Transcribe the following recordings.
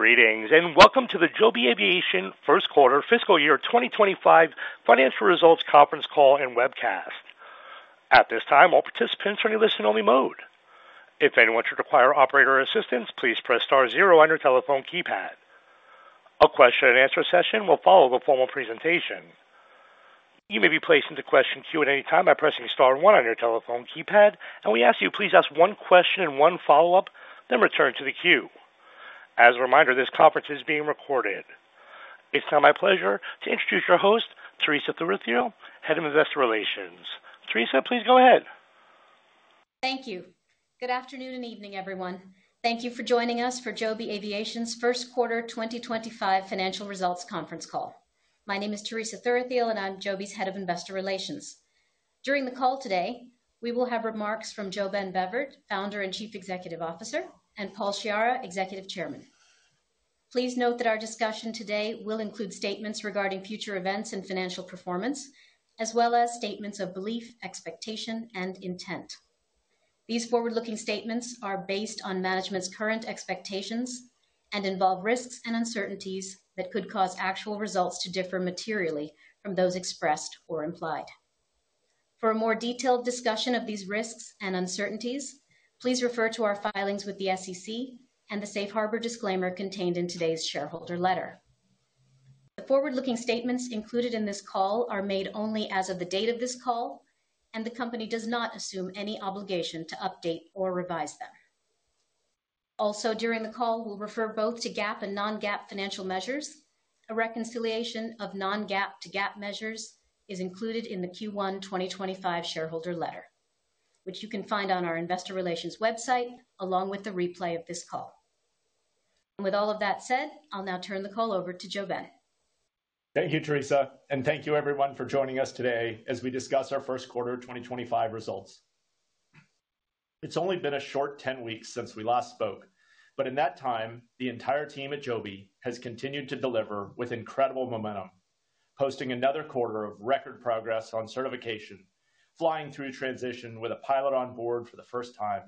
Greetings, and welcome to the Joby Aviation first quarter fiscal year 2025 financial results conference call and webcast. At this time, all participants are in listen-only mode. If anyone should require operator assistance, please press star zero on your telephone keypad. A question-and-answer session will follow the formal presentation. You may be placed into question queue at any time by pressing star one on your telephone keypad, and we ask that you please ask one question and one follow-up, then return to the queue. As a reminder, this conference is being recorded. It's now my pleasure to introduce your host, Teresa Thuruthiyil, Head of Investor Relations. Teresa, please go ahead. Thank you. Good afternoon and evening, everyone. Thank you for joining us for Joby Aviation's First Quarter 2025 Financial Results Conference Call. My name is Teresa Thuruthiyil, and I'm Joby's Head of Investor Relations. During the call today, we will have remarks from JoeBen Bevirt, Founder and Chief Executive Officer, and Paul Sciarra, Executive Chairman. Please note that our discussion today will include statements regarding future events and financial performance, as well as statements of belief, expectation, and intent. These forward-looking statements are based on management's current expectations and involve risks and uncertainties that could cause actual results to differ materially from those expressed or implied. For a more detailed discussion of these risks and uncertainties, please refer to our filings with the SEC and the safe harbor disclaimer contained in today's shareholder letter. The forward-looking statements included in this call are made only as of the date of this call, and the company does not assume any obligation to update or revise them. Also, during the call, we'll refer both to GAAP and non-GAAP financial measures. A reconciliation of non-GAAP to GAAP measures is included in the Q1 2025 shareholder letter, which you can find on our Investor Relations website along with the replay of this call. With all of that said, I'll now turn the call over to JoeBen. Thank you, Teresa, and thank you, everyone, for joining us today as we discuss our First Quarter 2025 results. It has only been a short 10 weeks since we last spoke, but in that time, the entire team at Joby has continued to deliver with incredible momentum, posting another quarter of record progress on certification, flying through transition with a pilot on board for the first time,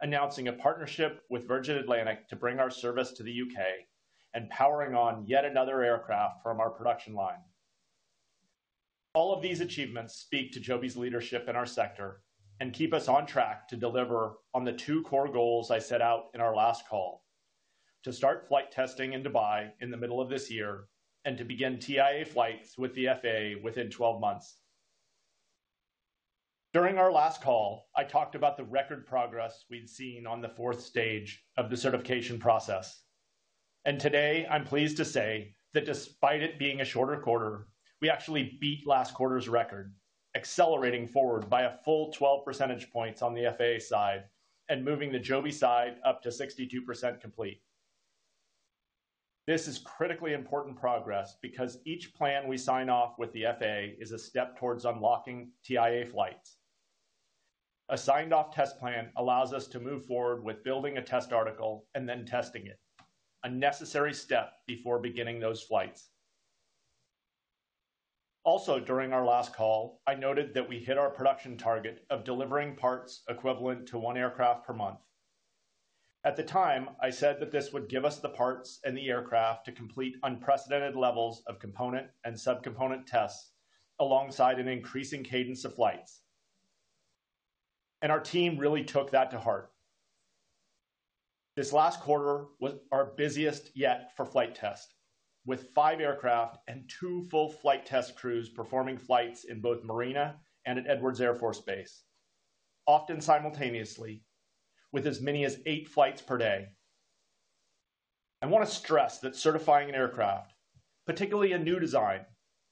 announcing a partnership with Virgin Atlantic to bring our service to the U.K., and powering on yet another aircraft from our production line. All of these achievements speak to Joby's leadership in our sector and keep us on track to deliver on the two core goals I set out in our last call: to start flight testing in Dubai in the middle of this year and to begin TIA flights with the FAA within 12 months. During our last call, I talked about the record progress we'd seen on the fourth stage of the certification process, and today I'm pleased to say that despite it being a shorter quarter, we actually beat last quarter's record, accelerating forward by a full 12 percentage points on the FAA side and moving the Joby side up to 62% complete. This is critically important progress because each plan we sign off with the FAA is a step towards unlocking TIA flights. A signed-off test plan allows us to move forward with building a test article and then testing it, a necessary step before beginning those flights. Also, during our last call, I noted that we hit our production target of delivering parts equivalent to one aircraft per month. At the time, I said that this would give us the parts and the aircraft to complete unprecedented levels of component and subcomponent tests alongside an increasing cadence of flights, and our team really took that to heart. This last quarter was our busiest yet for flight test, with five aircraft and two full flight test crews performing flights in both Marina and at Edwards Air Force Base, often simultaneously, with as many as eight flights per day. I want to stress that certifying an aircraft, particularly a new design,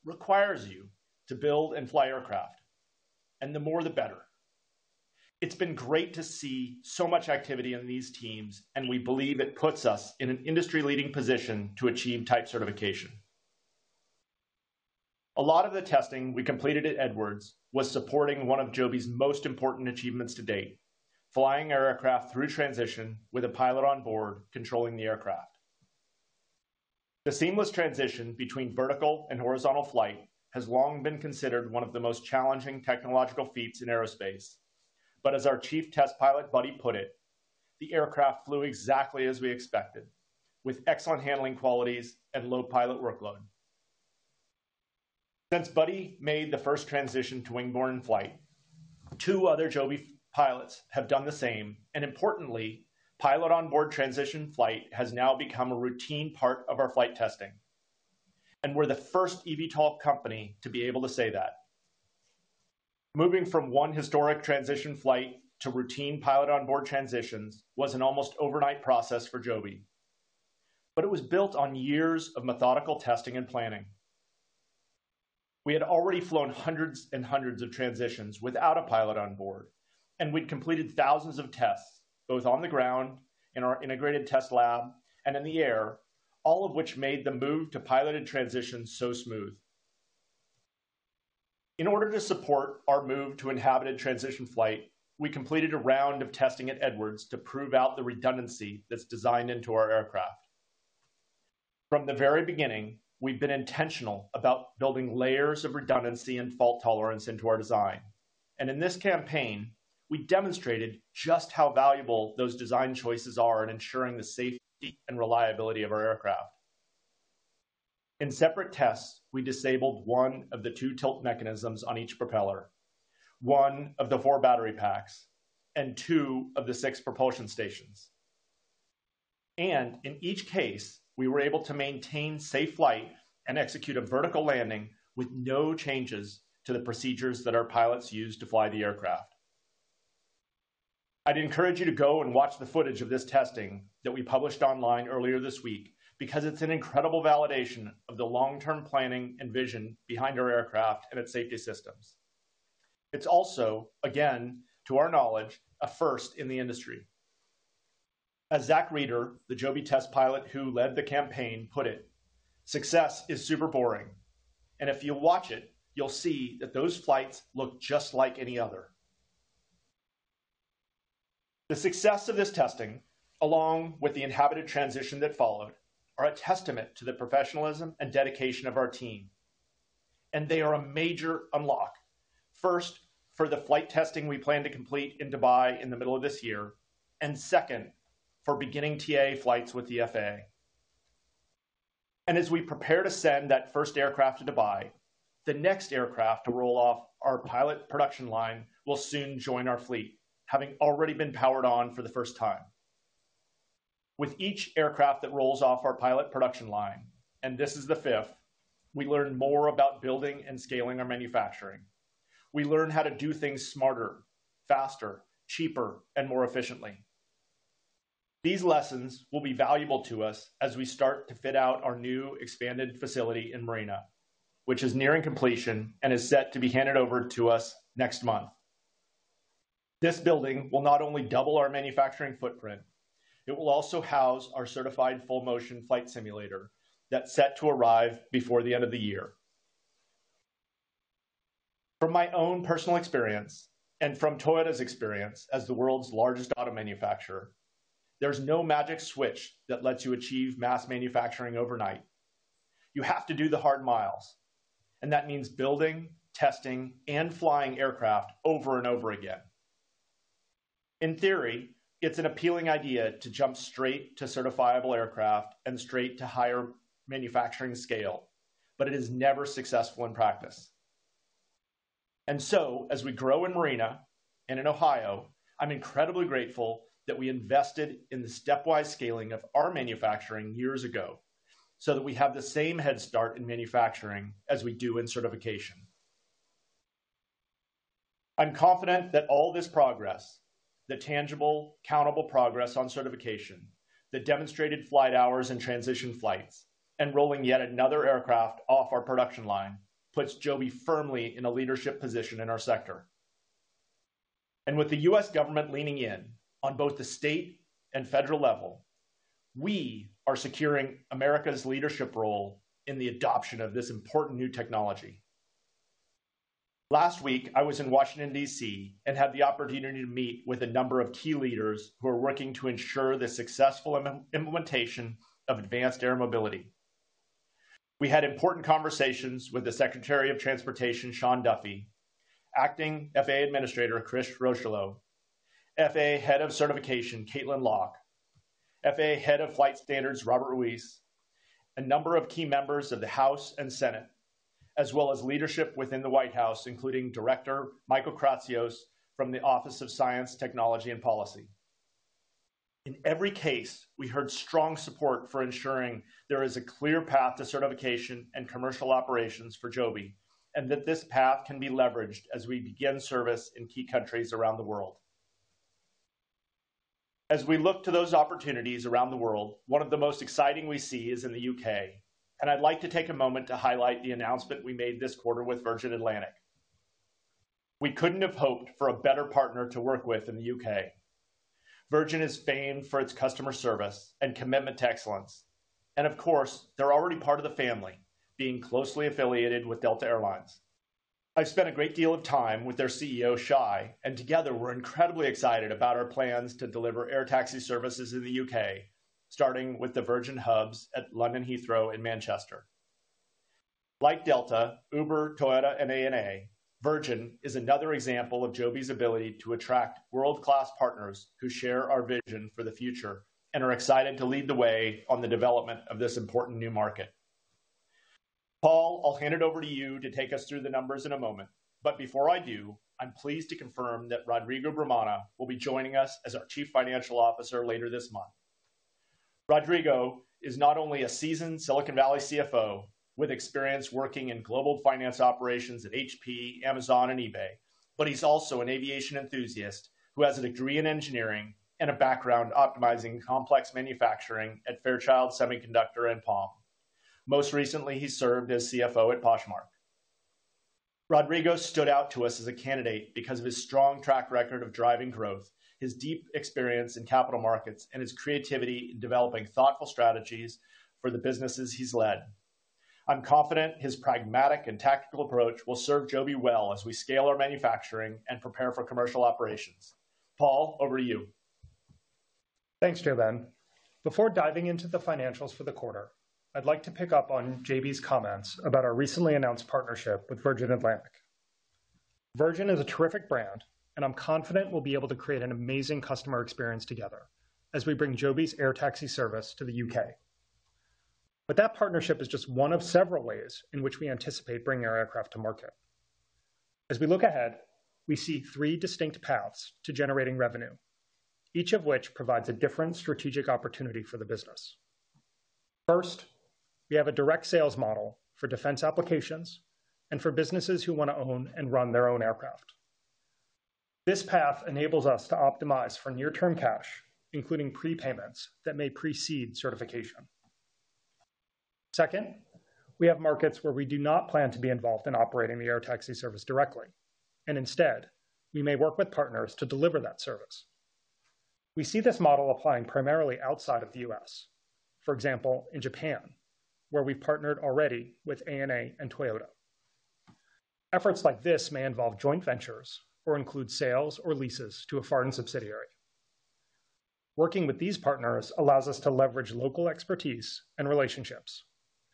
requires you to build and fly aircraft, and the more, the better. It's been great to see so much activity in these teams, and we believe it puts us in an industry-leading position to achieve type certification. A lot of the testing we completed at Edwards was supporting one of Joby's most important achievements to date: flying our aircraft through transition with a pilot on board controlling the aircraft. The seamless transition between vertical and horizontal flight has long been considered one of the most challenging technological feats in aerospace, but as our Chief Test Pilot Buddy put it, the aircraft flew exactly as we expected, with excellent handling qualities and low pilot workload. Since Buddy made the first transition to wing-borne flight, two other Joby pilots have done the same, and importantly, pilot-on-board transition flight has now become a routine part of our flight testing, and we're the first eVTOL company to be able to say that. Moving from one historic transition flight to routine pilot-on-board transitions was an almost overnight process for Joby, but it was built on years of methodical testing and planning. We had already flown hundreds and hundreds of transitions without a pilot on board, and we'd completed thousands of tests both on the ground, in our integrated test lab, and in the air, all of which made the move to piloted transitions so smooth. In order to support our move to inhabited transition flight, we completed a round of testing at Edwards to prove out the redundancy that's designed into our aircraft. From the very beginning, we've been intentional about building layers of redundancy and fault tolerance into our design, and in this campaign, we demonstrated just how valuable those design choices are in ensuring the safety and reliability of our aircraft. In separate tests, we disabled one of the two tilt mechanisms on each propeller, one of the four battery packs, and two of the six propulsion stations. In each case, we were able to maintain safe flight and execute a vertical landing with no changes to the procedures that our pilots use to fly the aircraft. I'd encourage you to go and watch the footage of this testing that we published online earlier this week because it's an incredible validation of the long-term planning and vision behind our aircraft and its safety systems. It's also, again, to our knowledge, a first in the industry. As Zach Reader, the Joby test pilot who led the campaign, put it, "Success is super boring, and if you watch it, you'll see that those flights look just like any other." The success of this testing, along with the inhabited transition that followed, are a testament to the professionalism and dedication of our team, and they are a major unlock, first for the flight testing we plan to complete in Dubai in the middle of this year, and second for beginning TIA flights with the FAA. As we prepare to send that first aircraft to Dubai, the next aircraft to roll off our pilot production line will soon join our fleet, having already been powered on for the first time. With each aircraft that rolls off our pilot production line, and this is the fifth, we learn more about building and scaling our manufacturing. We learn how to do things smarter, faster, cheaper, and more efficiently. These lessons will be valuable to us as we start to fit out our new expanded facility in Marina, which is nearing completion and is set to be handed over to us next month. This building will not only double our manufacturing footprint, it will also house our certified full-motion flight simulator that is set to arrive before the end of the year. From my own personal experience and from Toyota's experience as the world's largest auto manufacturer, there is no magic switch that lets you achieve mass manufacturing overnight. You have to do the hard miles, and that means building, testing, and flying aircraft over and over again. In theory, it is an appealing idea to jump straight to certifiable aircraft and straight to higher manufacturing scale, but it is never successful in practice. As we grow in Marina and in Ohio, I'm incredibly grateful that we invested in the stepwise scaling of our manufacturing years ago so that we have the same head start in manufacturing as we do in certification. I'm confident that all this progress, the tangible, countable progress on certification, the demonstrated flight hours and transition flights, and rolling yet another aircraft off our production line puts Joby firmly in a leadership position in our sector. With the U.S. government leaning in on both the state and federal level, we are securing America's leadership role in the adoption of this important new technology. Last week, I was in Washington, D.C., and had the opportunity to meet with a number of key leaders who are working to ensure the successful implementation of advanced air mobility. We had important conversations with the Secretary of Transportation, Sean Duffy, Acting FAA Administrator, Chris Rocheleau, FAA Head of Certification, Caitlin Locke, FAA Head of Flight Standards, Robert Ruiz, a number of key members of the House and Senate, as well as leadership within the White House, including Director Michael Kratsios from the Office of Science, Technology, and Policy. In every case, we heard strong support for ensuring there is a clear path to certification and commercial operations for Joby and that this path can be leveraged as we begin service in key countries around the world. As we look to those opportunities around the world, one of the most exciting we see is in the U.K., and I'd like to take a moment to highlight the announcement we made this quarter with Virgin Atlantic. We couldn't have hoped for a better partner to work with in the U.K. Virgin is famed for its customer service and commitment to excellence, and of course, they're already part of the family, being closely affiliated with Delta Air Lines. I've spent a great deal of time with their CEO, Shai, and together, we're incredibly excited about our plans to deliver air taxi services in the U.K., starting with the Virgin hubs at London Heathrow in Manchester. Like Delta, Uber, Toyota, and ANA, Virgin is another example of Joby's ability to attract world-class partners who share our vision for the future and are excited to lead the way on the development of this important new market. Paul, I'll hand it over to you to take us through the numbers in a moment, but before I do, I'm pleased to confirm that Rodrigo Brumana will be joining us as our Chief Financial Officer later this month. Rodrigo is not only a seasoned Silicon Valley CFO with experience working in global finance operations at HP, Amazon, and eBay, but he's also an aviation enthusiast who has a degree in engineering and a background optimizing complex manufacturing at Fairchild Semiconductor and Palm. Most recently, he served as CFO at Poshmark. Rodrigo stood out to us as a candidate because of his strong track record of driving growth, his deep experience in capital markets, and his creativity in developing thoughtful strategies for the businesses he's led. I'm confident his pragmatic and tactical approach will serve Joby well as we scale our manufacturing and prepare for commercial operations. Paul, over to you. Thanks, JoeBen. Before diving into the financials for the quarter, I'd like to pick up on JB's comments about our recently announced partnership with Virgin Atlantic. Virgin is a terrific brand, and I'm confident we'll be able to create an amazing customer experience together as we bring Joby's air taxi service to the U.K. That partnership is just one of several ways in which we anticipate bringing our aircraft to market. As we look ahead, we see three distinct paths to generating revenue, each of which provides a different strategic opportunity for the business. First, we have a direct sales model for defense applications and for businesses who want to own and run their own aircraft. This path enables us to optimize for near-term cash, including prepayments that may precede certification. Second, we have markets where we do not plan to be involved in operating the air taxi service directly, and instead, we may work with partners to deliver that service. We see this model applying primarily outside of the U.S., for example, in Japan, where we've partnered already with ANA and Toyota. Efforts like this may involve joint ventures or include sales or leases to a foreign subsidiary. Working with these partners allows us to leverage local expertise and relationships,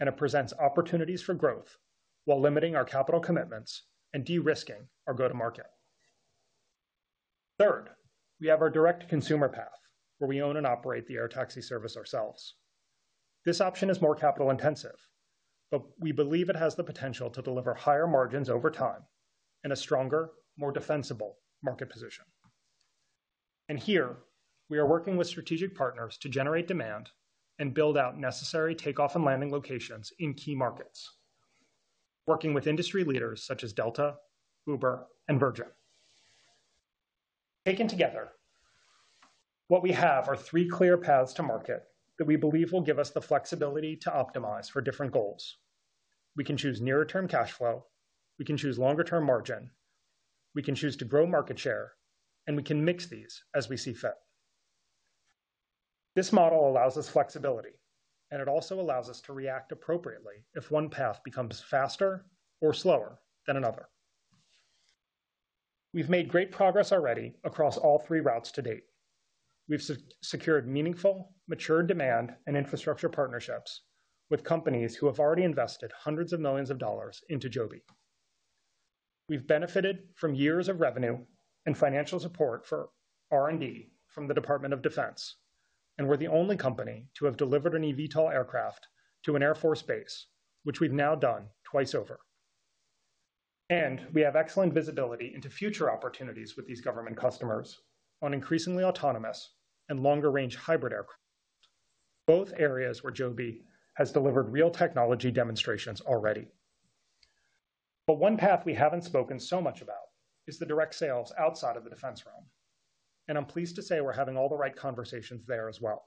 and it presents opportunities for growth while limiting our capital commitments and de-risking our go-to-market. Third, we have our direct consumer path, where we own and operate the air taxi service ourselves. This option is more capital-intensive, but we believe it has the potential to deliver higher margins over time and a stronger, more defensible market position. Here, we are working with strategic partners to generate demand and build out necessary takeoff and landing locations in key markets, working with industry leaders such as Delta, Uber, and Virgin. Taken together, what we have are three clear paths to market that we believe will give us the flexibility to optimize for different goals. We can choose nearer-term cash flow, we can choose longer-term margin, we can choose to grow market share, and we can mix these as we see fit. This model allows us flexibility, and it also allows us to react appropriately if one path becomes faster or slower than another. We've made great progress already across all three routes to date. We've secured meaningful, mature demand and infrastructure partnerships with companies who have already invested hundreds of millions of dollars into Joby. We've benefited from years of revenue and financial support for R&D from the Department of Defense, and we're the only company to have delivered an eVTOL aircraft to an Air Force base, which we've now done twice over. We have excellent visibility into future opportunities with these government customers on increasingly autonomous and longer-range hybrid aircraft, both areas where Joby has delivered real technology demonstrations already. One path we have not spoken so much about is the direct sales outside of the defense realm, and I am pleased to say we are having all the right conversations there as well.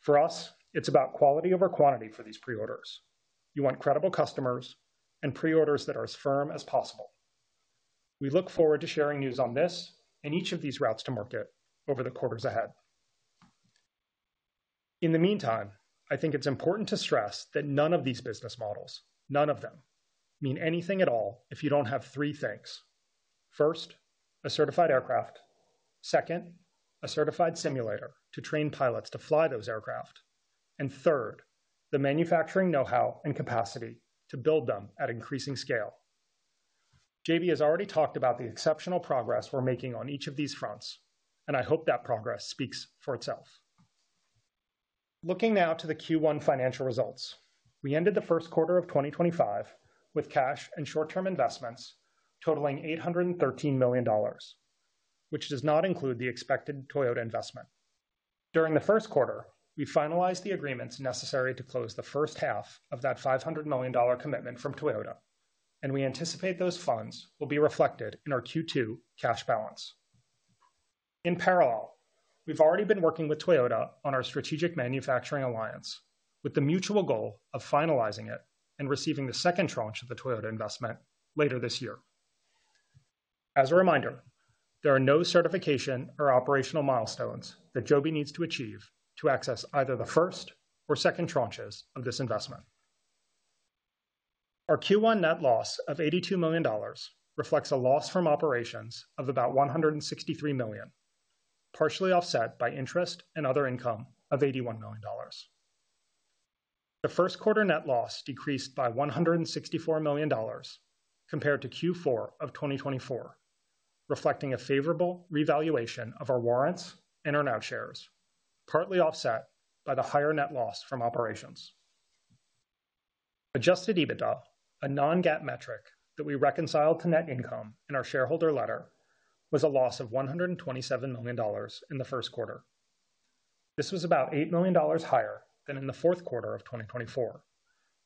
For us, it is about quality over quantity for these preorders. You want credible customers and preorders that are as firm as possible. We look forward to sharing news on this and each of these routes to market over the quarters ahead. In the meantime, I think it is important to stress that none of these business models, none of them, mean anything at all if you do not have three things. First, a certified aircraft. Second, a certified simulator to train pilots to fly those aircraft. Third, the manufacturing know-how and capacity to build them at increasing scale. JB has already talked about the exceptional progress we are making on each of these fronts, and I hope that progress speaks for itself. Looking now to the Q1 financial results, we ended the first quarter of 2025 with cash and short-term investments totaling $813 million, which does not include the expected Toyota investment. During the first quarter, we finalized the agreements necessary to close the first half of that $500 million commitment from Toyota, and we anticipate those funds will be reflected in our Q2 cash balance. In parallel, we have already been working with Toyota on our strategic manufacturing alliance, with the mutual goal of finalizing it and receiving the second tranche of the Toyota investment later this year. As a reminder, there are no certification or operational milestones that Joby needs to achieve to access either the first or second tranches of this investment. Our Q1 net loss of $82 million reflects a loss from operations of about $163 million, partially offset by interest and other income of $81 million. The first quarter net loss decreased by $164 million compared to Q4 of 2024, reflecting a favorable revaluation of our warrants and our now shares, partly offset by the higher net loss from operations. Adjusted EBITDA, a non-GAAP metric that we reconciled to net income in our shareholder letter, was a loss of $127 million in the first quarter. This was about $8 million higher than in the fourth quarter of 2024,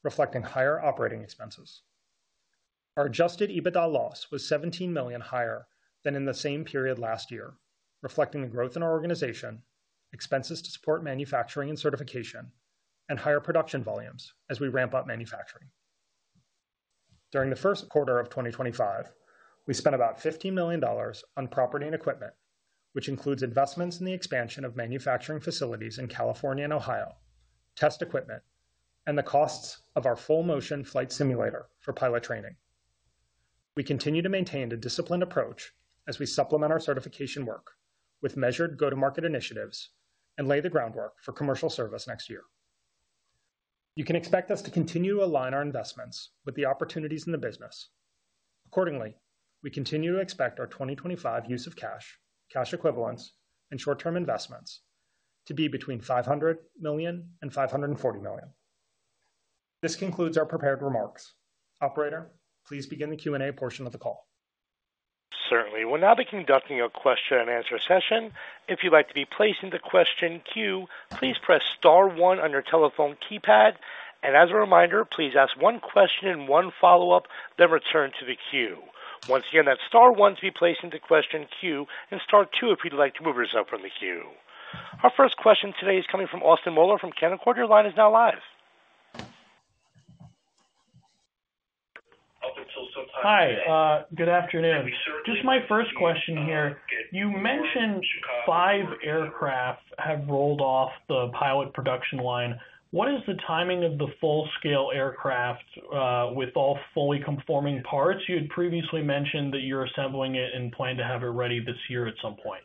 reflecting higher operating expenses. Our adjusted EBITDA loss was $17 million higher than in the same period last year, reflecting the growth in our organization, expenses to support manufacturing and certification, and higher production volumes as we ramp up manufacturing. During the first quarter of 2025, we spent about $15 million on property and equipment, which includes investments in the expansion of manufacturing facilities in California and Ohio, test equipment, and the costs of our full-motion flight simulator for pilot training. We continue to maintain a disciplined approach as we supplement our certification work with measured go-to-market initiatives and lay the groundwork for commercial service next year. You can expect us to continue to align our investments with the opportunities in the business. Accordingly, we continue to expect our 2025 use of cash, cash equivalents, and short-term investments to be between $500 million and $540 million. This concludes our prepared remarks. Operator, please begin the Q&A portion of the call. Certainly. We'll now be conducting a question-and-answer session. If you'd like to be placed into question Q, please press star one on your telephone keypad. As a reminder, please ask one question and one follow-up, then return to the Q. Once again, that's star one to be placed into question Q, and star two if you'd like to move yourself from the Q. Our first question today is coming from Austin Moeller from Canaccord. Your line is now live. Hi. Good afternoon. Just my first question here. You mentioned five aircraft have rolled off the pilot production line. What is the timing of the full-scale aircraft with all fully conforming parts? You had previously mentioned that you're assembling it and plan to have it ready this year at some point.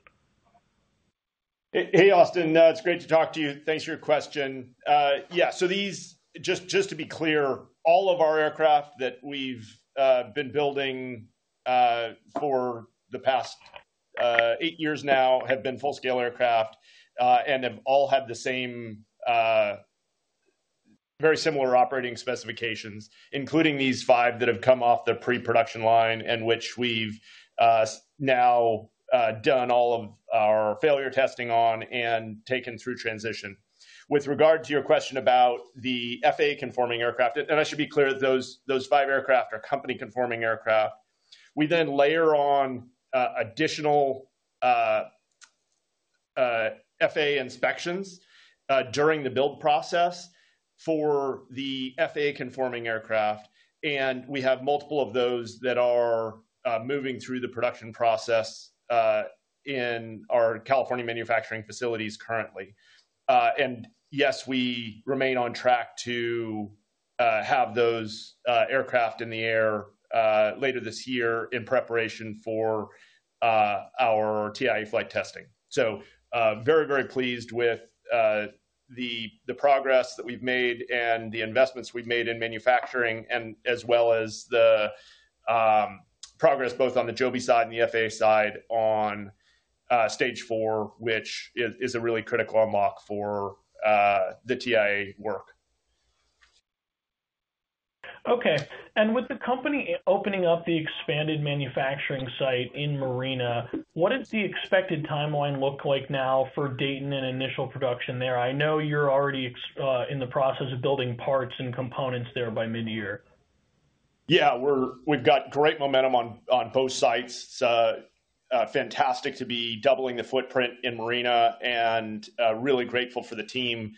Hey, Austin. It's great to talk to you. Thanks for your question. Yeah. Just to be clear, all of our aircraft that we've been building for the past eight years now have been full-scale aircraft and have all had very similar operating specifications, including these five that have come off the pre-production line and which we've now done all of our failure testing on and taken through transition. With regard to your question about the FAA-conforming aircraft, and I should be clear, those five aircraft are company-conforming aircraft. We then layer on additional FAA inspections during the build process for the FAA-conforming aircraft, and we have multiple of those that are moving through the production process in our California manufacturing facilities currently. Yes, we remain on track to have those aircraft in the air later this year in preparation for our TIA flight testing. Very, very pleased with the progress that we've made and the investments we've made in manufacturing, as well as the progress both on the Joby side and the FAA side on stage four, which is a really critical unlock for the TIA work. Okay. With the company opening up the expanded manufacturing site in Marina, what does the expected timeline look like now for Dayton and initial production there? I know you're already in the process of building parts and components there by mid-year. Yeah. We've got great momentum on both sites. It's fantastic to be doubling the footprint in Marina and really grateful for the team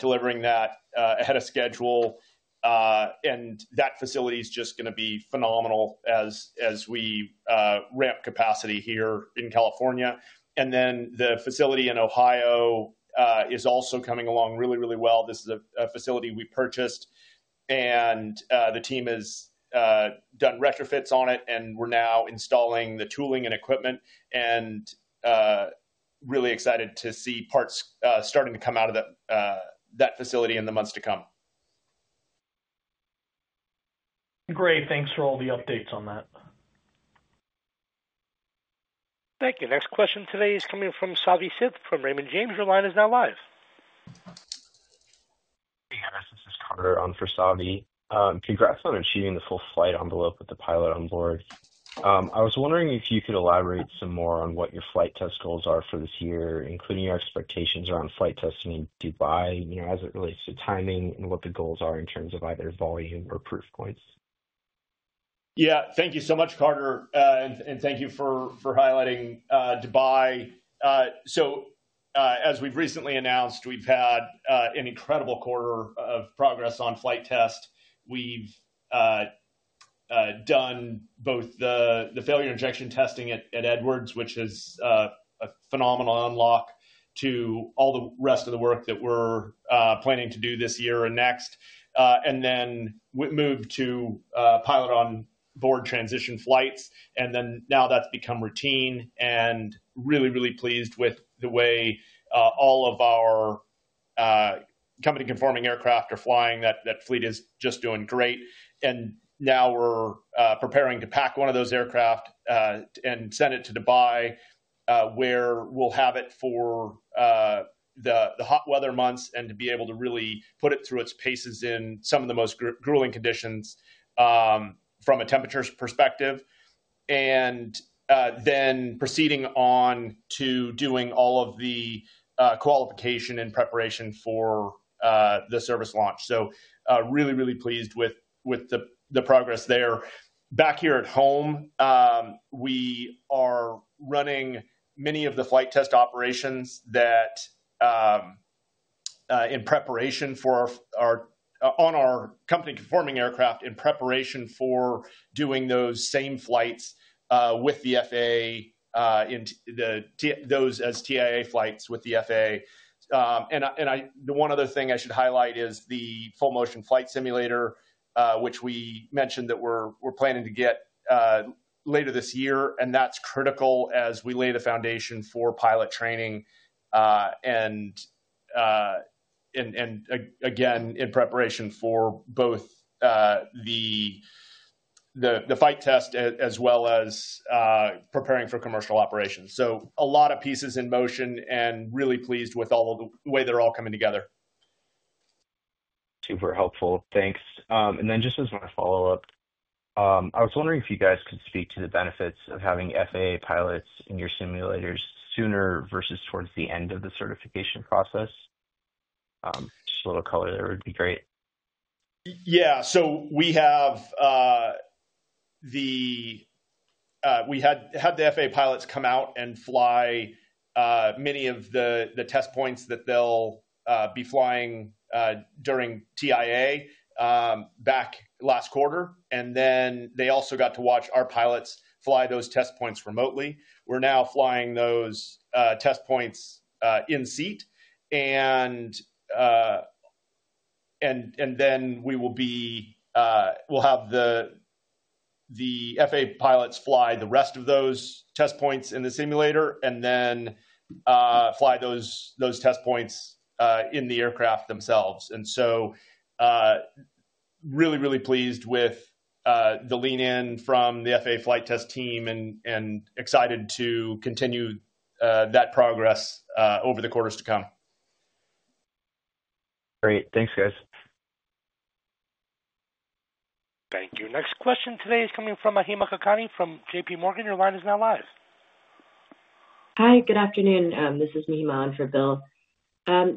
delivering that ahead of schedule. That facility is just going to be phenomenal as we ramp capacity here in California. The facility in Ohio is also coming along really, really well. This is a facility we purchased, and the team has done retrofits on it, and we're now installing the tooling and equipment and really excited to see parts starting to come out of that facility in the months to come. Great. Thanks for all the updates on that. Thank you. Next question today is coming from Savi Syth from Raymond James. Your line is now live. Hey, guys. This is Carter on for Savi. Congrats on achieving the full flight envelope with the pilot on board. I was wondering if you could elaborate some more on what your flight test goals are for this year, including your expectations around flight testing in Dubai as it relates to timing and what the goals are in terms of either volume or proof points. Yeah. Thank you so much, Carter, and thank you for highlighting Dubai. As we've recently announced, we've had an incredible quarter of progress on flight test. We've done both the failure injection testing at Edwards, which is a phenomenal unlock to all the rest of the work that we're planning to do this year and next, and then moved to pilot-on-board transition flights. Now that's become routine, and really, really pleased with the way all of our company-conforming aircraft are flying. That fleet is just doing great. Now we're preparing to pack one of those aircraft and send it to Dubai, where we'll have it for the hot weather months and to be able to really put it through its paces in some of the most grueling conditions from a temperature perspective, and then proceeding on to doing all of the qualification and preparation for the service launch. Really, really pleased with the progress there. Back here at home, we are running many of the flight test operations in preparation for our company-conforming aircraft in preparation for doing those same flights with the FAA, those as TIA flights with the FAA. One other thing I should highlight is the full-motion flight simulator, which we mentioned that we're planning to get later this year, and that's critical as we lay the foundation for pilot training and, again, in preparation for both the flight test as well as preparing for commercial operations. A lot of pieces in motion and really pleased with the way they're all coming together. Super helpful. Thanks. Just as my follow-up, I was wondering if you guys could speak to the benefits of having FAA pilots in your simulators sooner versus towards the end of the certification process. Just a little color there would be great. Yeah. We had the FAA pilots come out and fly many of the test points that they'll be flying during TIA back last quarter, and then they also got to watch our pilots fly those test points remotely. We're now flying those test points in seat, and then we will have the FAA pilots fly the rest of those test points in the simulator and then fly those test points in the aircraft themselves. Really, really pleased with the lean-in from the FAA flight test team and excited to continue that progress over the quarters to come. Great. Thanks, guys. Thank you. Next question today is coming from Mahima Kakani from JPMorgan. Your line is now live. Hi. Good afternoon. This is Mahima on for Bill.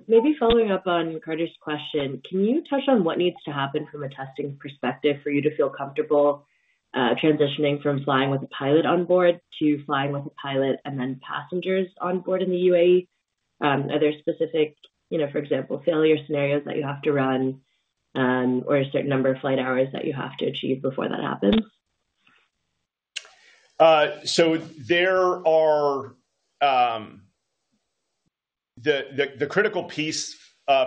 Maybe following up on Carter's question, can you touch on what needs to happen from a testing perspective for you to feel comfortable transitioning from flying with a pilot on board to flying with a pilot and then passengers on board in the UAE? Are there specific, for example, failure scenarios that you have to run or a certain number of flight hours that you have to achieve before that happens? The critical piece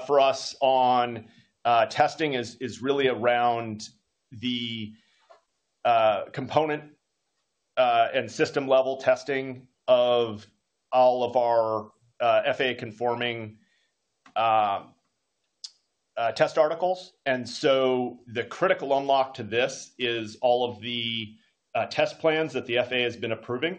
for us on testing is really around the component and system-level testing of all of our FAA-conforming test articles. The critical unlock to this is all of the test plans that the FAA has been approving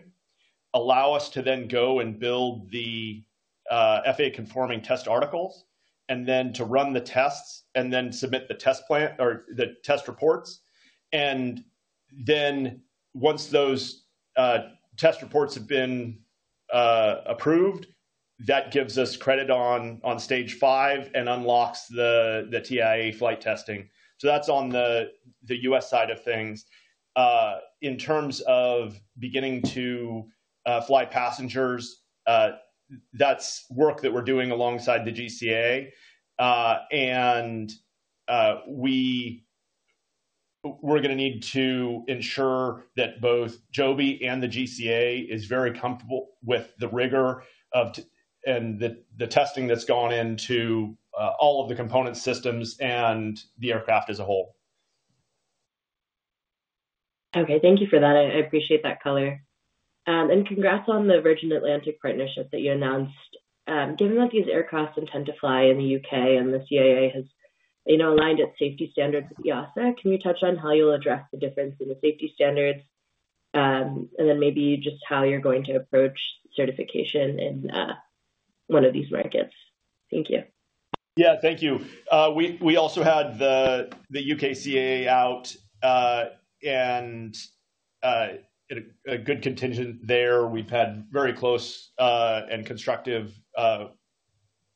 allow us to then go and build the FAA-conforming test articles and then to run the tests and then submit the test reports. Once those test reports have been approved, that gives us credit on stage five and unlocks the TIA flight testing. That is on the U.S. side of things. In terms of beginning to fly passengers, that is work that we are doing alongside the GCAA, and we are going to need to ensure that both Joby and the GCAA are very comfortable with the rigor and the testing that has gone into all of the component systems and the aircraft as a whole. Okay. Thank you for that. I appreciate that color. Congrats on the Virgin Atlantic partnership that you announced. Given that these aircraft intend to fly in the U.K. and the CAA has aligned its safety standards with EASA, can you touch on how you will address the difference in the safety standards and then maybe just how you are going to approach certification in one of these markets? Thank you. Yeah. Thank you. We also had the UKCAA out and in a good contingent there. We've had very close and constructive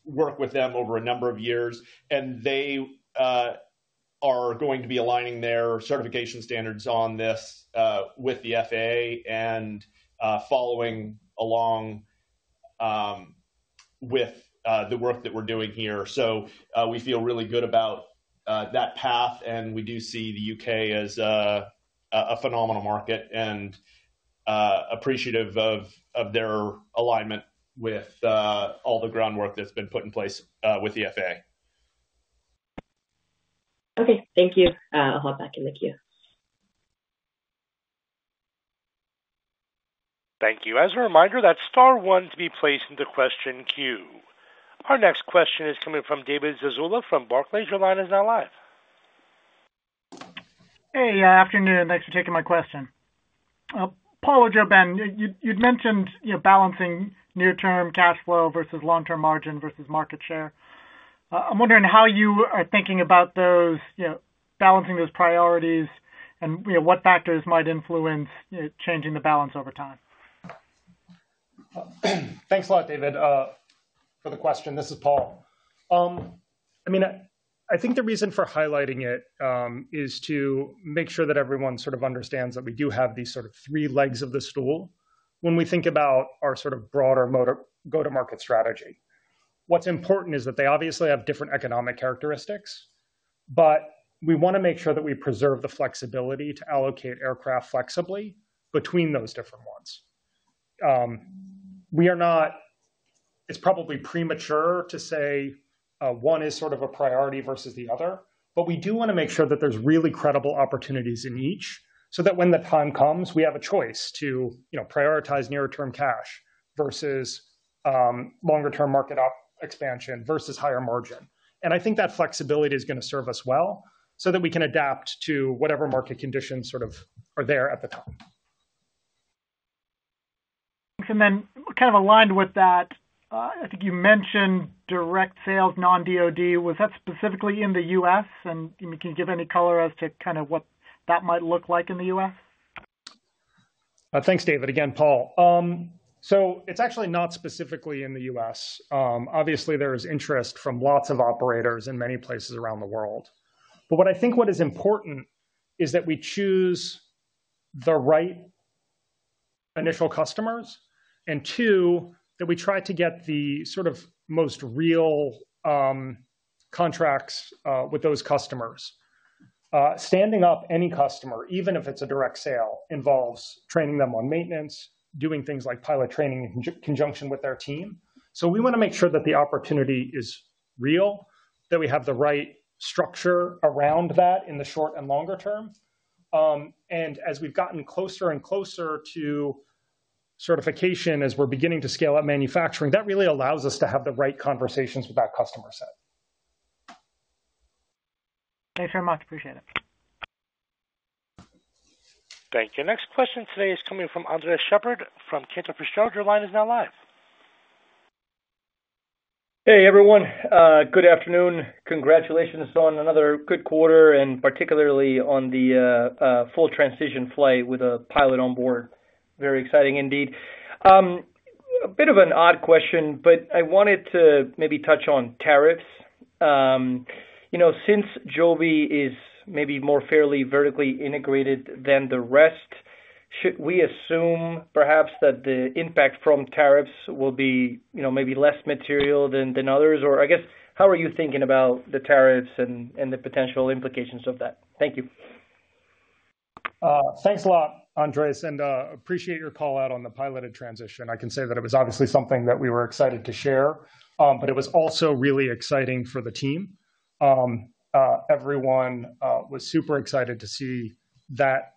work with them over a number of years, and they are going to be aligning their certification standards on this with the FAA and following along with the work that we're doing here. So we feel really good about that path, and we do see the U.K. as a phenomenal market and appreciative of their alignment with all the groundwork that's been put in place with the FAA. Okay. Thank you. I'll hop back in the queue. Thank you. As a reminder, that's star one to be placed into question Q. Our next question is coming from David Zazula from Barclays. Your line is now live. Hey, afternoon. Thanks for taking my question. Paul or JoeBen, would you have been you'd mentioned balancing near-term cash flow versus long-term margin versus market share. I'm wondering how you are thinking about balancing those priorities and what factors might influence changing the balance over time. Thanks a lot, David, for the question. This is Paul. I mean, I think the reason for highlighting it is to make sure that everyone sort of understands that we do have these sort of three legs of the stool when we think about our sort of broader go-to-market strategy. What's important is that they obviously have different economic characteristics, but we want to make sure that we preserve the flexibility to allocate aircraft flexibly between those different ones. It's probably premature to say one is sort of a priority versus the other, but we do want to make sure that there's really credible opportunities in each so that when the time comes, we have a choice to prioritize near-term cash versus longer-term market expansion versus higher margin. I think that flexibility is going to serve us well so that we can adapt to whatever market conditions sort of are there at the time. Kind of aligned with that, I think you mentioned direct sales, non-DoD. Was that specifically in the U.S.? Can you give any color as to kind of what that might look like in the U.S.? Thanks, David. Again, Paul. It's actually not specifically in the U.S. Obviously, there is interest from lots of operators in many places around the world. What I think is important is that we choose the right initial customers and, two, that we try to get the sort of most real contracts with those customers. Standing up any customer, even if it's a direct sale, involves training them on maintenance, doing things like pilot training in conjunction with their team. We want to make sure that the opportunity is real, that we have the right structure around that in the short and longer term. As we've gotten closer and closer to certification, as we're beginning to scale up manufacturing, that really allows us to have the right conversations with that customer set. Thanks very much. Appreciate it. Thank you. Next question today is coming from Andres Sheppard from Cantor Fitzgerald. Your line is now live. Hey, everyone. Good afternoon. Congratulations on another good quarter, and particularly on the full transition flight with a pilot on board. Very exciting indeed. A bit of an odd question, but I wanted to maybe touch on tariffs. Since Joby is maybe more fairly vertically integrated than the rest, should we assume perhaps that the impact from tariffs will be maybe less material than others? Or I guess, how are you thinking about the tariffs and the potential implications of that? Thank you. Thanks a lot, Andres, and appreciate your call out on the piloted transition. I can say that it was obviously something that we were excited to share, but it was also really exciting for the team. Everyone was super excited to see that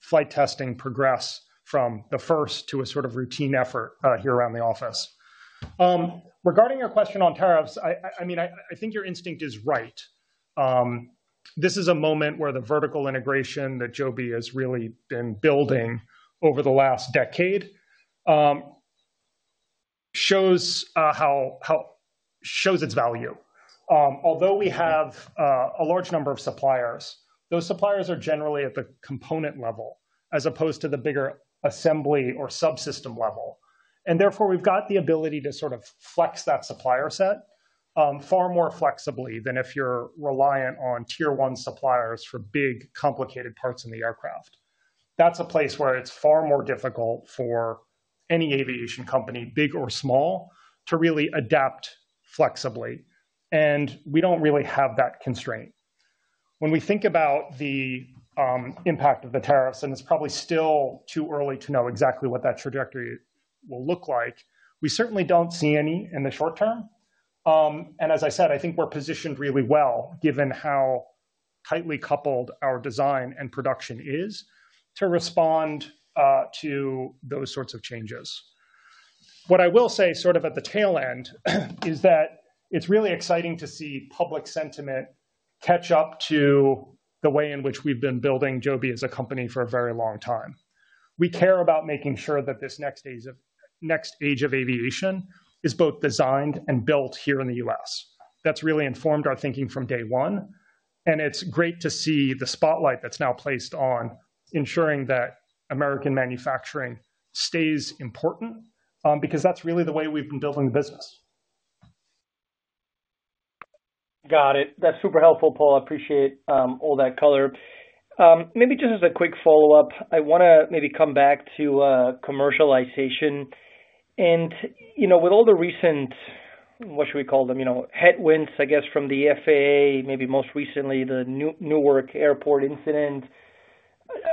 flight testing progress from the first to a sort of routine effort here around the office. Regarding your question on tariffs, I mean, I think your instinct is right. This is a moment where the vertical integration that Joby has really been building over the last decade shows its value. Although we have a large number of suppliers, those suppliers are generally at the component level as opposed to the bigger assembly or subsystem level. Therefore, we've got the ability to sort of flex that supplier set far more flexibly than if you're reliant on tier-one suppliers for big, complicated parts in the aircraft. That's a place where it's far more difficult for any aviation company, big or small, to really adapt flexibly, and we don't really have that constraint. When we think about the impact of the tariffs, and it's probably still too early to know exactly what that trajectory will look like, we certainly don't see any in the short term. As I said, I think we're positioned really well given how tightly coupled our design and production is to respond to those sorts of changes. What I will say sort of at the tail end is that it's really exciting to see public sentiment catch up to the way in which we've been building Joby as a company for a very long time. We care about making sure that this next age of aviation is both designed and built here in the U.S. That's really informed our thinking from day one, and it's great to see the spotlight that's now placed on ensuring that American manufacturing stays important because that's really the way we've been building the business. Got it. That's super helpful, Paul. I appreciate all that color. Maybe just as a quick follow-up, I want to maybe come back to commercialization. With all the recent, what should we call them, headwinds, I guess, from the FAA, maybe most recently the Newark Airport incident,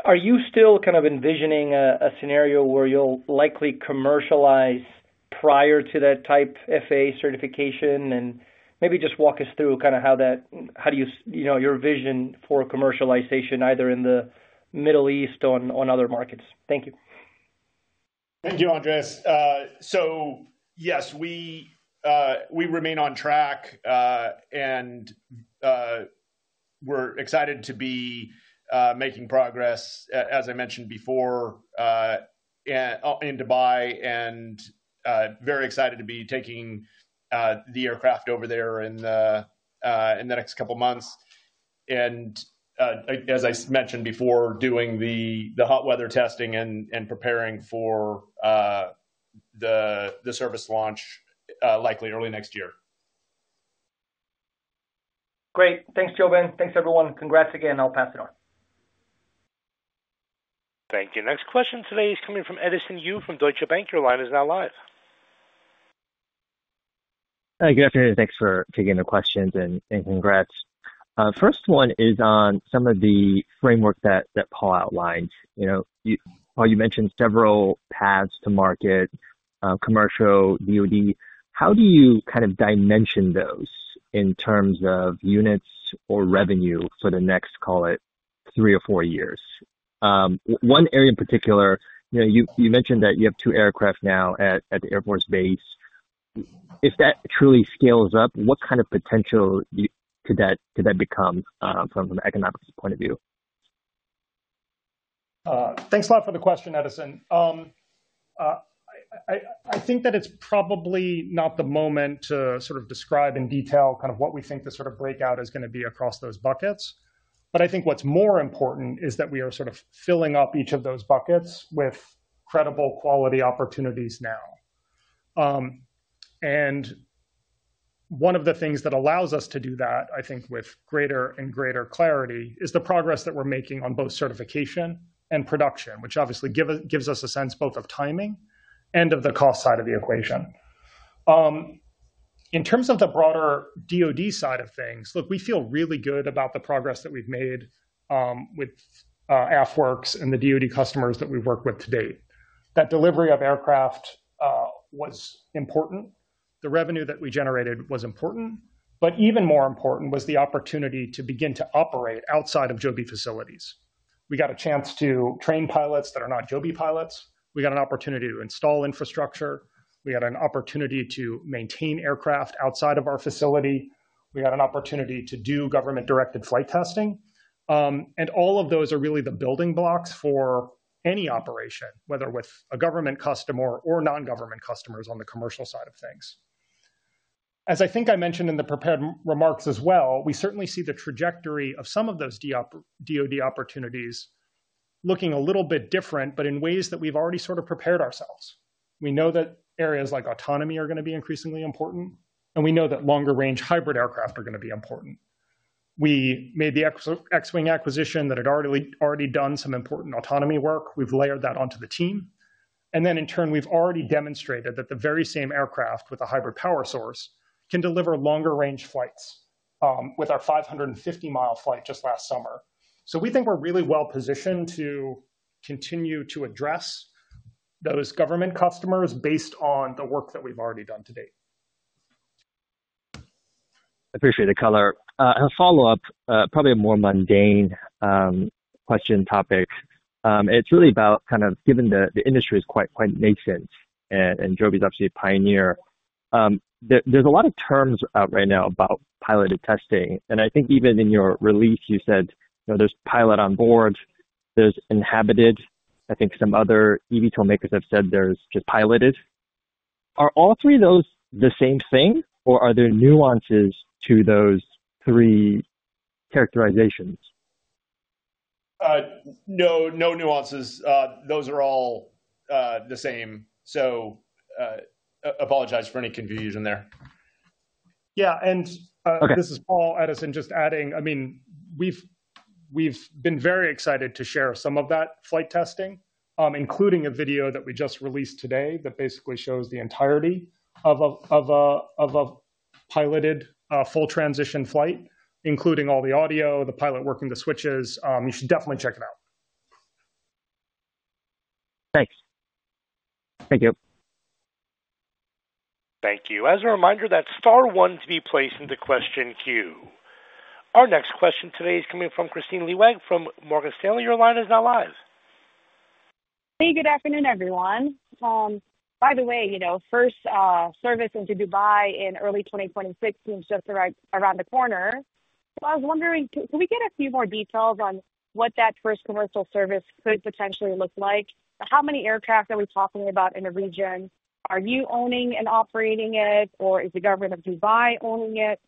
are you still kind of envisioning a scenario where you'll likely commercialize prior to that type FAA certification? Maybe just walk us through kind of how you your vision for commercialization either in the Middle East or on other markets. Thank you. Thank you, Andres. Yes, we remain on track, and we're excited to be making progress, as I mentioned before, in Dubai, and very excited to be taking the aircraft over there in the next couple of months. As I mentioned before, doing the hot weather testing and preparing for the service launch likely early next year. Great. Thanks, JoeBen. Thanks, everyone. Congrats again. I'll pass it on. Thank you. Next question today is coming from Edison Yu from Deutsche Bank. Your line is now live. Hi. Good afternoon. Thanks for taking the questions and congrats. First one is on some of the framework that Paul outlined. You mentioned several paths to market, commercial, DoD. How do you kind of dimension those in terms of units or revenue for the next, call it, three or four years? One area in particular, you mentioned that you have two aircraft now at the Air Force Base. If that truly scales up, what kind of potential could that become from an economic point of view? Thanks a lot for the question, Edison. I think that it's probably not the moment to sort of describe in detail kind of what we think the sort of breakout is going to be across those buckets. I think what's more important is that we are sort of filling up each of those buckets with credible quality opportunities now. One of the things that allows us to do that, I think, with greater and greater clarity is the progress that we're making on both certification and production, which obviously gives us a sense both of timing and of the cost side of the equation. In terms of the broader DoD side of things, look, we feel really good about the progress that we've made with AFWERX and the DoD customers that we've worked with to date. That delivery of aircraft was important. The revenue that we generated was important. Even more important was the opportunity to begin to operate outside of Joby facilities. We got a chance to train pilots that are not Joby pilots. We got an opportunity to install infrastructure. We got an opportunity to maintain aircraft outside of our facility. We got an opportunity to do government-directed flight testing. All of those are really the building blocks for any operation, whether with a government customer or non-government customers on the commercial side of things. As I think I mentioned in the prepared remarks as well, we certainly see the trajectory of some of those DoD opportunities looking a little bit different, but in ways that we've already sort of prepared ourselves. We know that areas like autonomy are going to be increasingly important, and we know that longer-range hybrid aircraft are going to be important. We made the Xwing acquisition that had already done some important autonomy work. We've layered that onto the team. In turn, we've already demonstrated that the very same aircraft with a hybrid power source can deliver longer-range flights with our 550 mi flight just last summer. We think we're really well positioned to continue to address those government customers based on the work that we've already done to date. I appreciate the color. A follow-up, probably a more mundane question topic. It's really about kind of given the industry is quite nascent and Joby is obviously a pioneer, there's a lot of terms out right now about piloted testing. I think even in your release, you said there's pilot on board, there's inhabited. I think some other eVTOL makers have said there's just piloted. Are all three of those the same thing, or are there nuances to those three characterizations? No nuances. Those are all the same. Apologize for any confusion there. Yeah. This is Paul, Edison, just adding. I mean, we've been very excited to share some of that flight testing, including a video that we just released today that basically shows the entirety of a piloted full transition flight, including all the audio, the pilot working the switches. You should definitely check it out. Thanks. Thank you. Thank you. As a reminder, that's star one to be placed into question Q. Our next question today is coming from Kristine Liwag from Morgan Stanley. Your line is now live. Hey, good afternoon, everyone. By the way, first service into Dubai in early 2026 seems just around the corner. I was wondering, can we get a few more details on what that first commercial service could potentially look like? How many aircraft are we talking about in the region? Are you owning and operating it, or is the government of Dubai owning it?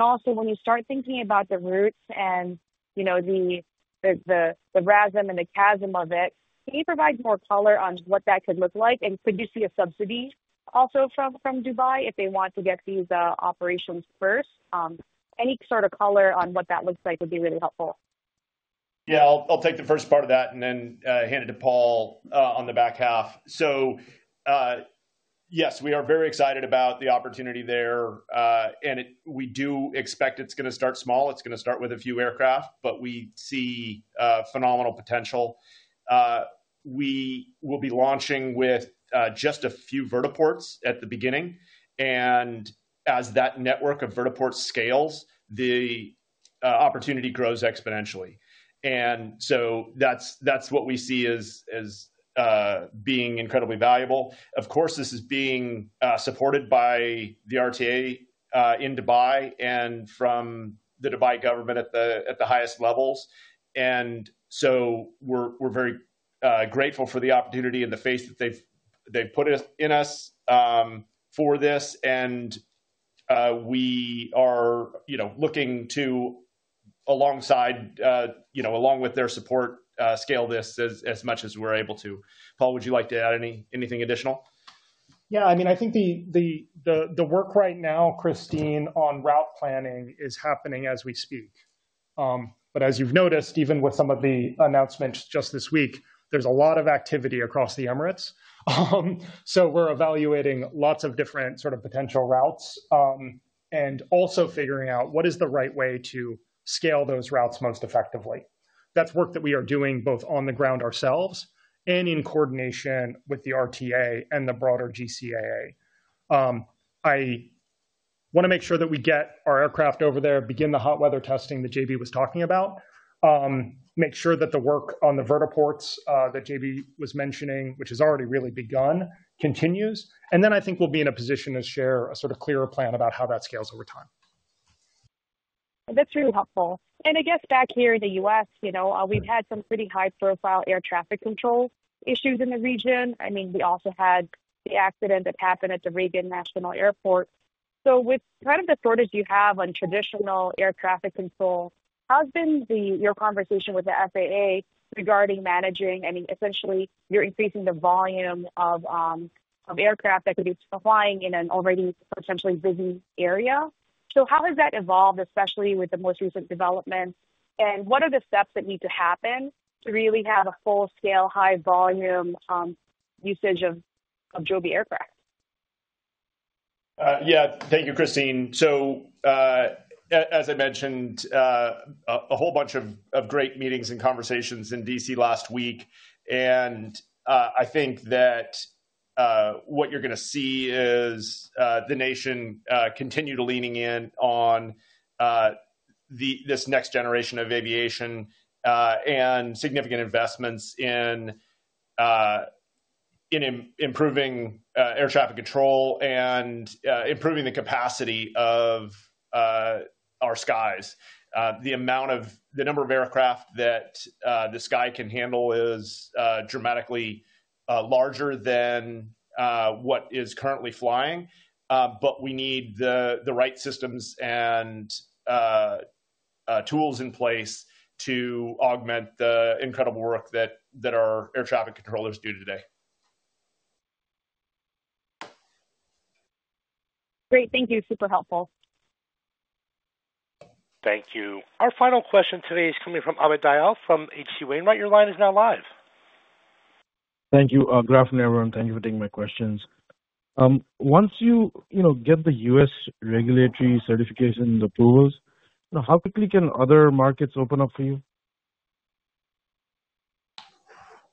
Also, when you start thinking about the routes and the RASM and the CASM of it, can you provide more color on what that could look like? Could you see a subsidy also from Dubai if they want to get these operations first? Any sort of color on what that looks like would be really helpful. Yeah. I'll take the first part of that and then hand it to Paul on the back half. Yes, we are very excited about the opportunity there. We do expect it's going to start small. It's going to start with a few aircraft, but we see phenomenal potential. We will be launching with just a few vertiports at the beginning. As that network of vertiports scales, the opportunity grows exponentially. That's what we see as being incredibly valuable. Of course, this is being supported by the RTA in Dubai and from the Dubai government at the highest levels. We are very grateful for the opportunity and the faith that they've put in us for this. We are looking to, along with their support, scale this as much as we're able to. Paul, would you like to add anything additional? Yeah. I mean, I think the work right now, Christine, on route planning is happening as we speak. As you've noticed, even with some of the announcements just this week, there's a lot of activity across the Emirates. We're evaluating lots of different sort of potential routes and also figuring out what is the right way to scale those routes most effectively. That's work that we are doing both on the ground ourselves and in coordination with the RTA and the broader GCAA. I want to make sure that we get our aircraft over there, begin the hot weather testing that JB was talking about, make sure that the work on the vertiports that JB was mentioning, which has already really begun, continues. I think we'll be in a position to share a sort of clearer plan about how that scales over time. That's really helpful. I guess back here in the U.S., we've had some pretty high-profile air traffic control issues in the region. I mean, we also had the accident that happened at the Reagan National Airport. With kind of the shortage you have on traditional air traffic control, how's been your conversation with the FAA regarding managing, I mean, essentially, you're increasing the volume of aircraft that could be flying in an already potentially busy area. How has that evolved, especially with the most recent development? What are the steps that need to happen to really have a full-scale, high-volume usage of Joby aircraft? Yeah. Thank you, Kristine. As I mentioned, a whole bunch of great meetings and conversations in D.C. last week. I think that what you're going to see is the nation continue to leaning in on this next generation of aviation and significant investments in improving air traffic control and improving the capacity of our skies. The number of aircraft that the sky can handle is dramatically larger than what is currently flying. We need the right systems and tools in place to augment the incredible work that our air traffic controllers do today. Great. Thank you. Super helpful. Thank you. Our final question today is coming from Amit Dayal from H.C. Wainwright. Your line is now live. Thank you. Good afternoon, everyone. Thank you for taking my questions. Once you get the U.S. regulatory certification approvals, how quickly can other markets open up for you?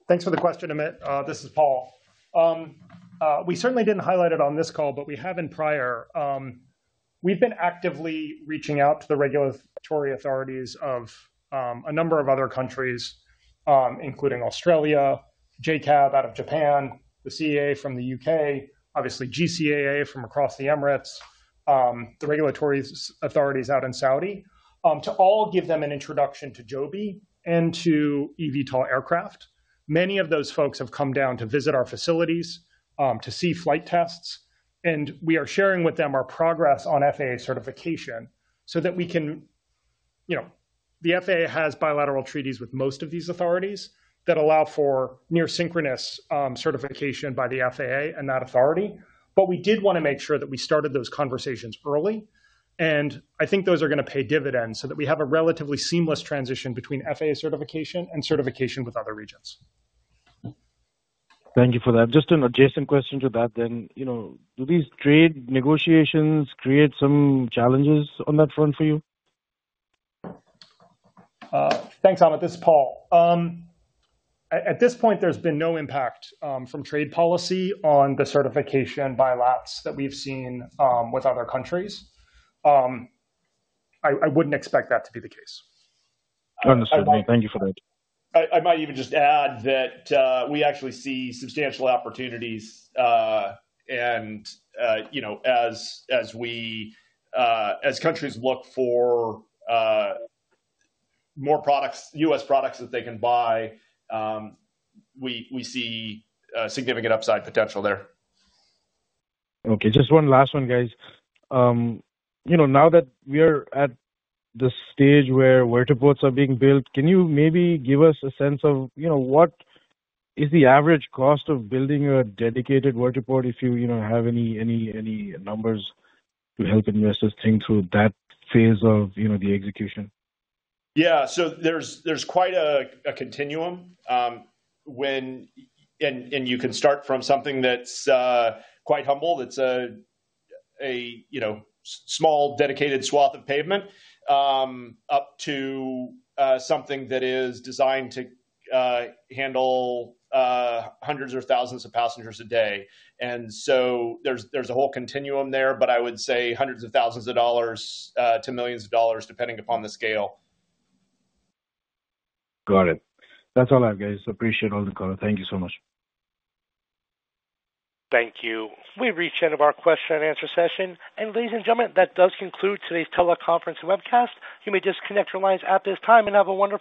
Thanks for the question, Amit. This is Paul. We certainly did not highlight it on this call, but we have in prior. We have been actively reaching out to the regulatory authorities of a number of other countries, including Australia, JCAB out of Japan, the CAA from the U.K., obviously GCAA from across the Emirates, the regulatory authorities out in Saudi, to all give them an introduction to Joby and to eVTOL aircraft. Many of those folks have come down to visit our facilities to see flight tests. We are sharing with them our progress on FAA certification so that we can—the FAA has bilateral treaties with most of these authorities that allow for near-synchronous certification by the FAA and that authority. We did want to make sure that we started those conversations early. I think those are going to pay dividends so that we have a relatively seamless transition between FAA certification and certification with other regions. Thank you for that. Just an adjacent question to that then. Do these trade negotiations create some challenges on that front for you? Thanks, Amit. This is Paul. At this point, there's been no impact from trade policy on the certification bilats that we've seen with other countries. I wouldn't expect that to be the case. Understood. Thank you for that. I might even just add that we actually see substantial opportunities. And as countries look for more U.S. products that they can buy, we see significant upside potential there. Okay. Just one last one, guys. Now that we are at the stage where vertiports are being built, can you maybe give us a sense of what is the average cost of building a dedicated vertiport if you have any numbers to help investors think through that phase of the execution? Yeah. So there is quite a continuum. You can start from something that is quite humble. It is a small dedicated swath of pavement up to something that is designed to handle hundreds or thousands of passengers a day. There is a whole continuum there, but I would say hundreds of thousands of dollars to millions of dollars depending upon the scale. Got it. That's all I have, guys. Appreciate all the color. Thank you so much. Thank you. We've reached the end of our question-and-answer session. Ladies and gentlemen, that does conclude today's teleconference and webcast. You may disconnect your lines at this time and have a wonderful day.